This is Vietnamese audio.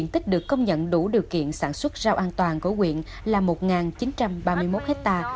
diện tích được công nhận đủ điều kiện sản xuất rau an toàn của quyện là một chín trăm ba mươi một ha